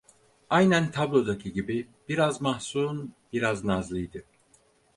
Aynen tablodaki gibi biraz mahzun, biraz nazlıydı.